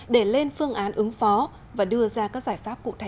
để lên phương án ứng phó và đưa ra các giải pháp cụ thể